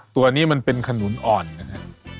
ตัวนี้มันเป็นขนุนอ่อนนะฮะ